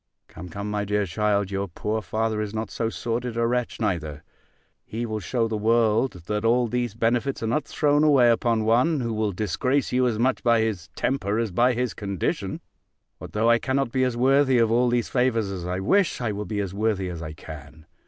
Come, come, my dear child, your poor father is not so sordid a wretch, neither. He will shew the world that all these benefits are not thrown away upon one, who will disgrace you as much by his temper, as by his condition. What though I cannot be as worthy of all these favours as I wish, I will be as worthy as I can.